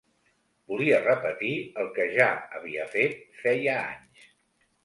Volia repetir el que ja havia fet feia anys.